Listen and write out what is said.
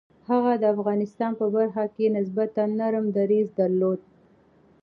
هغه د افغانستان په برخه کې نسبتاً نرم دریځ درلود.